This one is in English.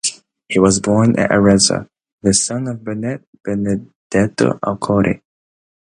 He was born at Arezzo, the son of Benedetto Accolti.